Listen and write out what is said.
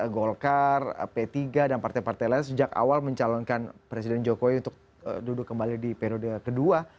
golkar p tiga dan partai partai lain sejak awal mencalonkan presiden jokowi untuk duduk kembali di periode kedua